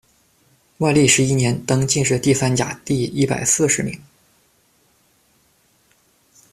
万历十一年，登进士第三甲第一百四十名。